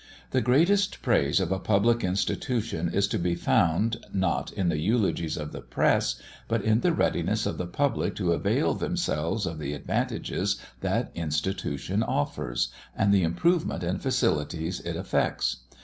The greatest praise of a public institution is to be found, not in the eulogies of the press, but in the readiness of the public to avail themselves of the advantages that institution offers, and the improvements and facilities it effects.